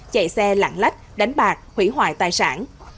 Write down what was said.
chạy xe lặng lách đánh bạc hủy hoại tài sản